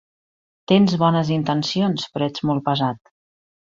Tens bones intencions, però ets molt pesat.